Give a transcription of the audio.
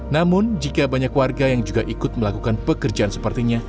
namun jika banyak warga yang juga ikut melakukan pekerjaan sepertinya